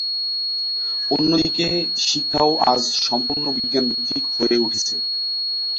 অন্যদিকে শিক্ষাও আজ সম্পূর্ণ বিজ্ঞানভিত্তিক হয়ে উঠেছে।